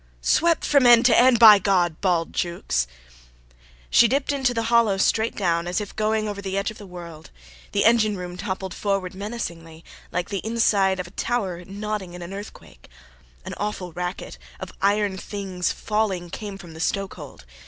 "Swept from end to end, by God!" bawled Jukes. She dipped into the hollow straight down, as if going over the edge of the world. The engine room toppled forward menacingly, like the inside of a tower nodding in an earthquake. An awful racket, of iron things falling, came from the stokehold.